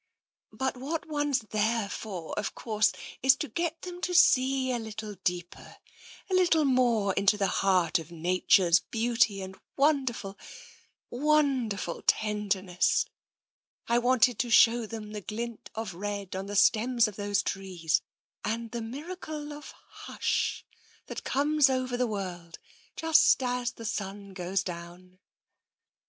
" But what one's there for, of course, is to get them to see a little deeper, a little more into the heart of Nature's beauty and wonderful, wonderful tenderness. I wanted to show them the glint of red on the stems 62 TENSION of those trees, and the miracle of hush that comes over the world just as the sun goes down. ..."